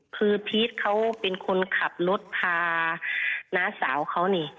คือพีชเขาเป็นคนขับรถพาน้าสาวเขานี่